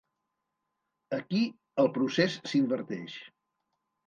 Aquí el procés s'inverteix.